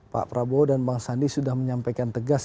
pak prabowo dan bang sandi sudah menyampaikan tegas